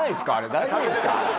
大丈夫ですか？